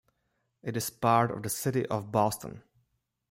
It is part of the city of Boston.